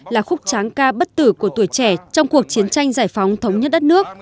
là khúc tráng ca bất tử của tuổi trẻ trong cuộc chiến tranh giải phóng thống nhất đất nước